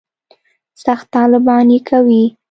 سخت طالبان یې کوي.